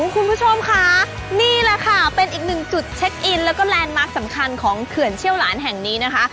คุณผู้ชมค่ะนี่แหละค่ะเป็นอีกหนึ่งจุดเช็คอินแล้วก็แลนด์มาร์คสำคัญของเขื่อนเชี่ยวหลานแห่งนี้นะคะ